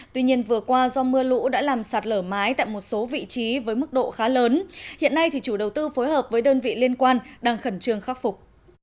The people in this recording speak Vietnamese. tuy nhiên vừa qua do mưa lũ đã làm sạt lở mái tại một số vị trí với mức độ khá lớn hiện nay thì chủ đầu tư phối hợp với đơn vị liên quan đang khẩn trương khắc phục